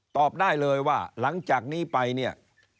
ตอบได้เลยว่าหลังจากนี้ไปเนี่ย